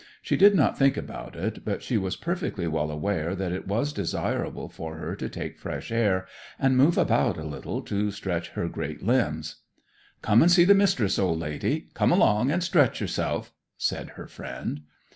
She did not think about it, but she was perfectly well aware that it was desirable for her to take fresh air, and move about a little to stretch her great limbs. "Come and see the Mistress, old lady; come along and stretch yourself," said her friend.